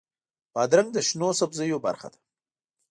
بادرنګ د شنو سبزیو برخه ده.